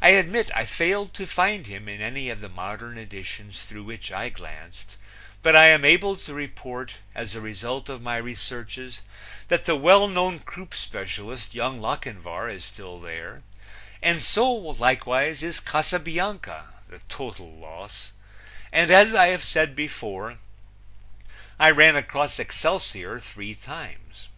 I admit I failed to find him in any of the modern editions through which I glanced, but I am able to report, as a result of my researches, that the well known croupe specialist, Young Lochinvar, is still there and so likewise is Casabianca, the total loss; and as I said before, I ran across Excelsior three times.